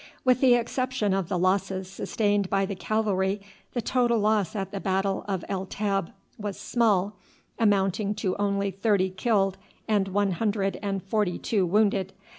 With the exception of the losses sustained by the cavalry the total loss at the battle of El Teb was small, amounting to only thirty killed and one hundred and forty two wounded.